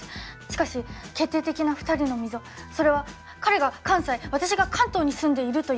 しかし決定的な２人の溝それは彼が関西私が関東に住んでいるという距離的な問題です。